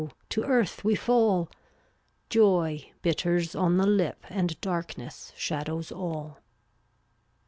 to earth we fall; Joy bitters on the lip And darkness shadows all.